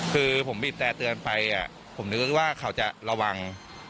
คือผมบีบแต่เตือนไปผมนึกว่าเขาจะระวัง